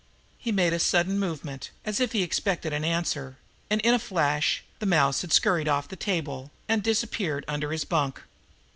He made a sudden movement, as if he expected an answer, and in a flash the mouse had scurried off the table and had disappeared under his bunk.